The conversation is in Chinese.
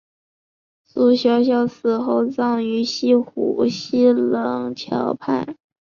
苏小小死后葬于西湖西泠桥畔。